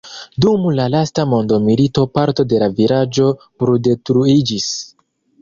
Dum la lasta mondomilito parto de la vilaĝo bruldetruiĝis.